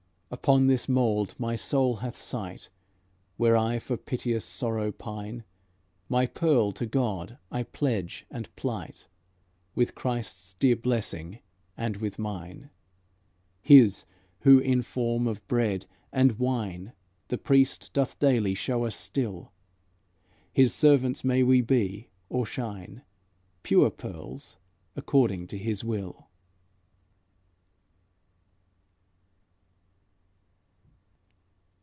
Upon this mound my soul hath sight, Where I for piteous sorrow pine; My Pearl to God I pledge and plight, With Christ's dear blessing and with mine, His, who, in form of bread and wine, The priest doth daily show us still. His servants may we be, or shine, Pure pearls, according to his will.